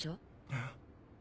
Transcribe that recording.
えっ？